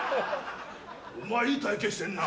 お前いい体形してんな。